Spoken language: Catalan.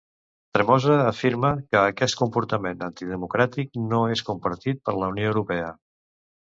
Tremosa afirma que aquest comportament antidemocràtic no és compartit per la Unió Europea.